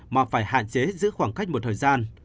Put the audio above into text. mà phải hạn chế giữa khoảng cách một thời gian